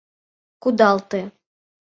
Кудалте!